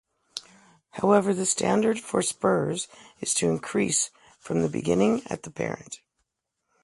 However, the standard for spurs is to increase from the beginning at the parent.